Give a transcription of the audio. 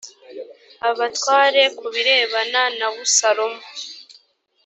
abatware ku birebana na abusalomu